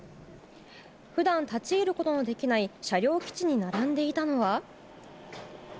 普段立ち入ることのできない車両基地に並んでいたのは。